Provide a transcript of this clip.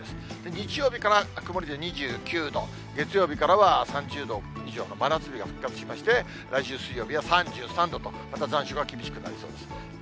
日曜日から曇りで２９度、月曜日からは３０度以上の真夏日が復活しまして、来週水曜日は３３度と、また残暑が厳しくなりそうです。